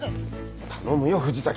頼むよ藤崎